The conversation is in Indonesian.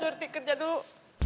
surti kerja dulu